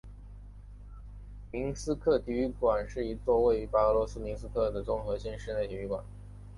明斯克体育馆是一座位于白俄罗斯明斯克的综合性室内体育馆。